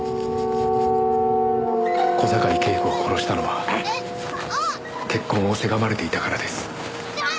小坂井恵子を殺したのは結婚をせがまれていたからです。